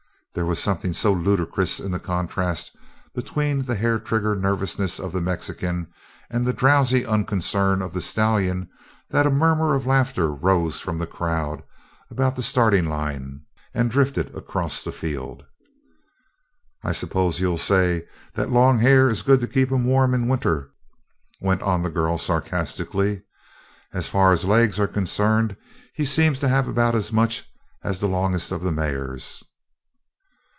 There was something so ludicrous in the contrast between the hair trigger nervousness of the Mexican and the drowsy unconcern of the stallion that a murmur of laughter rose from the crowd about the starting line and drifted across the field. "I suppose you'll say that long hair is good to keep him warm in winter," went on the girl sarcastically. "As far as legs are concerned, he seems to have about as much as the longest of the mares."